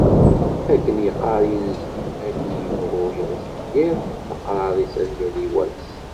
Akken yeqqaṛ yinzi: "Akken yebɣu yiɣzif yiḍ, leqrar-is ad yali wass".